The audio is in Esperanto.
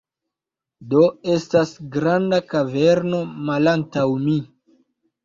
Do, estas granda kaverno malantaŭ mi